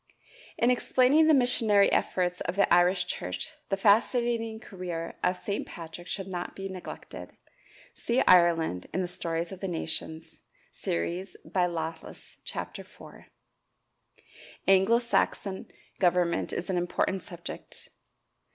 In explaining the missionary efforts of the Irish church, the fascinating career of St. Patrick should not be neglected. See "Ireland" in the "Stories of the Nations," series, by Lawless, Chapter IV. Anglo Saxon government is an important subject.